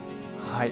はい。